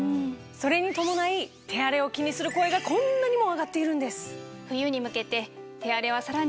それに伴い手荒れを気にする声がこんなにも上がっているんです！